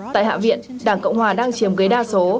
tại hạ viện đảng cộng hòa đang chiếm ghế đa số